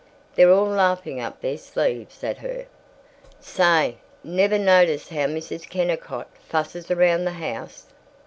They're all laughing up their sleeves at her." "Say, jever notice how Mrs. Kennicott fusses around the house?